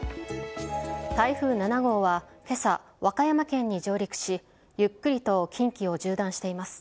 台風７号はけさ、和歌山県に上陸し、ゆっくりと近畿を縦断しています。